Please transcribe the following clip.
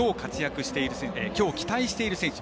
きょう期待している選手。